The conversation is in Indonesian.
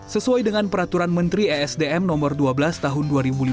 sesuai dengan peraturan menteri esdm nomor dua belas tahun dua ribu lima belas